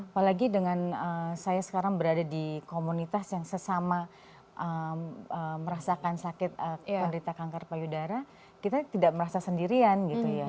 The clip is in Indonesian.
apalagi dengan saya sekarang berada di komunitas yang sesama merasakan sakit menderita kanker payudara kita tidak merasa sendirian gitu ya